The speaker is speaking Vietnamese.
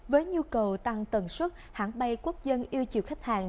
với nhu cầu tăng tần suất hãng bay quốc dân yêu chiều khách hàng